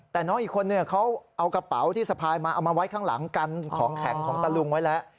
แต่น้องอีกคนนึงเขาเอากระเป๋าที่สะพายมาเอามาไว้ข้างหลังกันของแข็งของตะลุงไว้แล้ว